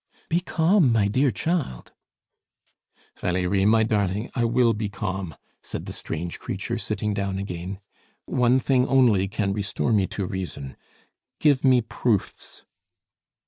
"Be calm, my dear child." "Valerie, my darling, I will be calm," said the strange creature, sitting down again. "One thing only can restore me to reason; give me proofs."